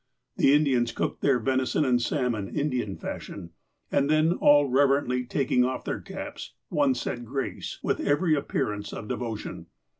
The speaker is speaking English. The Indians cooked their venison and salmon, Indian fashion, and then, all reverently taking off their caps, one said grace, with every appearance of devotion.